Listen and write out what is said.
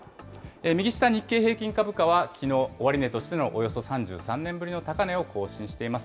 右下、日経平均株価はきのう、終値としてのおよそ３３年ぶりの高値を更新しています。